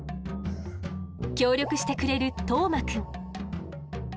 協力してくれる當眞くん。